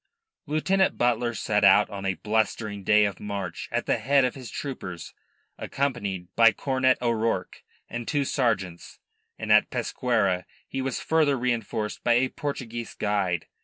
Lieutenant Butler set out on a blustering day of March at the head of his troopers, accompanied by Cornet O'Rourke and two sergeants, and at Pesqueira he was further reinforced by a Portuguese guide.